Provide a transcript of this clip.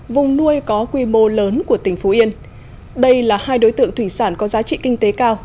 vùng nuôi có quy mô lớn của tỉnh phú yên đây là hai đối tượng thủy sản có giá trị kinh tế cao